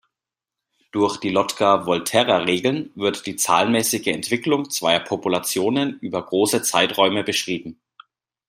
Durch die Lotka-Volterra-Regeln wird die zahlenmäßige Entwicklung zweier Populationen über große Zeiträume beschrieben.